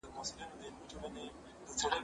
زه به سبا لوښي وچوم وم!.